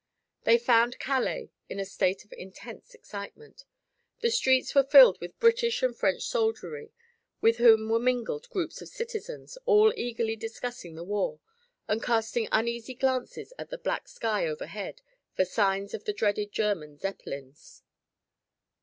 They found Calais in a state of intense excitement. The streets were filled with British and French soldiery, with whom were mingled groups of citizens, all eagerly discussing the war and casting uneasy glances at the black sky overhead for signs of the dreaded German Zeppelins.